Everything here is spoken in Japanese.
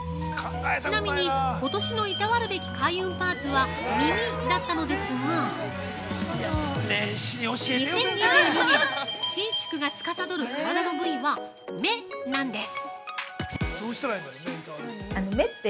ちなみに、今年の労るべき開運パーツは耳だったのですが２０２２年参宿が司る体の部位は「目」なんです。